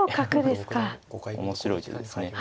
面白い手ですね。